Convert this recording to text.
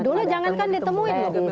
nah dulu jangan kan ditemuin loh